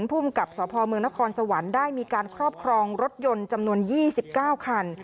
ภูมิกับสมนครสวรรค์ได้มีการครอบครองรถยนต์จำนวนยี่สิบเก้าคัน